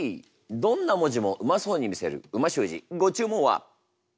どんな文字もうまそうに見せる美味しゅう字ご注文は？